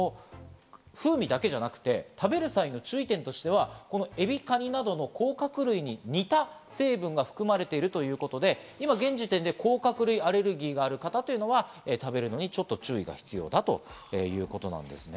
風味だけじゃなくて食べる際の注意点としては、このエビ、カニなどの甲殻類に似た成分が含まれているということで、現時点で甲殻類アレルギーがある方というのは食べるのにちょっと注意が必要だということですね。